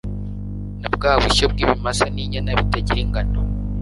na bwa bushyo bw’ibimasa n’inyana bitagira ingano